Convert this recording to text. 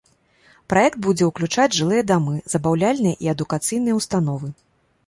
Праект будзе ўключаць жылыя дамы, забаўляльныя і адукацыйныя ўстановы.